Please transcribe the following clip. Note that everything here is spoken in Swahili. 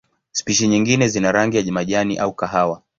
Spishi nyingine zina rangi ya majani au kahawa.